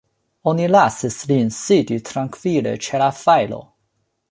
Oni lasis lin sidi trankvile ĉe la fajro.